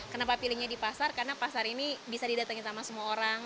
kenapa pilihnya di pasar karena pasar ini bisa didatangin sama semua orang